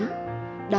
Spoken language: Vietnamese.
đó là hòa nhập